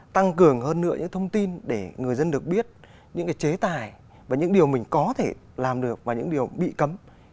tăng cường hơn nữa những thông tin để người dân được biết những chế tài và những điều mình có thể làm được và những điều bị cấm